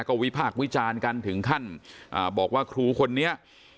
ก็วิพากษ์วิจารณ์กันถึงขั้นบอกว่าครูคนนี้